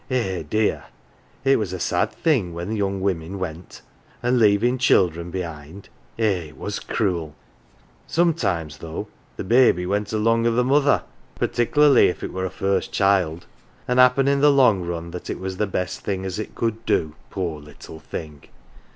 Eh, dear ! it was a sad thing when young women went an 1 leavin 1 children behind eh, it was cruel ! Sometimes, though, the baby went along o 1 the mother particklerly if it were a first child ; an 1 happen in the long run that it was the best thing as it could do poor little thing